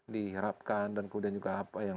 diharapkan dan kemudian juga apa yang